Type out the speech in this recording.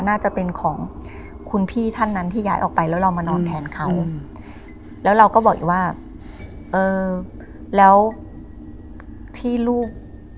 น่าจะเป็นของคุณพี่ท่านนั้นที่ย้ายออกไปแล้วเรามานอนแทนเขาแล้วเราก็บอกอีกว่าเออแล้วที่ลูก